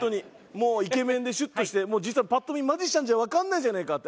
もうイケメンでシュッとして実はパッと見マジシャンじゃわかんないじゃねえかって。